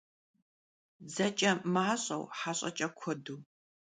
Dzeç'e maş'eu, heş'eç'e kuedu.